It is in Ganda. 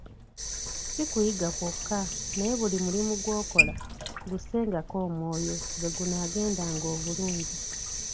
Si kuyiga kwokka, naye buli mulimu gw'okola, gussengako omwoyo, lwe gunaagendanga obulungi.